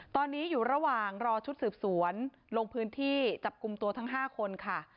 ตอนนี้อยู่ระหว่างรอชุดสืบสวนลงพื้นที่จับกลุ่มตัวทั้ง๕คนค่ะ